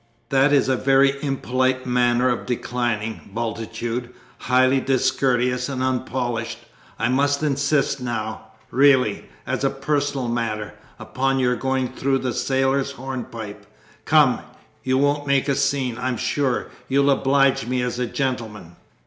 "That is a very impolite manner of declining, Bultitude; highly discourteous and unpolished. I must insist now really, as a personal matter upon your going through the sailor's hornpipe. Come, you won't make a scene, I'm sure. You'll oblige me, as a gentleman?"